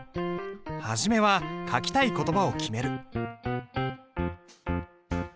初めは書きたい言葉を決める。